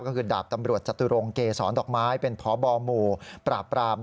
ก็คือดาบตำรวจจตุรงเกษรดอกไม้เป็นพบหมู่ปราบปราม